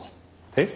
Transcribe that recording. えっ？